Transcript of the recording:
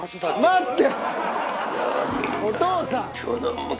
「待って！」